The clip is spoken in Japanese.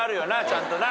ちゃんとな。